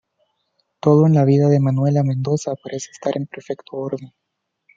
Todo en la vida de Manuela Mendoza parece estar en perfecto orden.